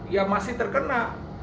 ya masih terkena